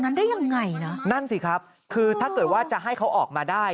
ได้ยังไงนะนั่นสิครับคือถ้าเกิดว่าจะให้เขาออกมาได้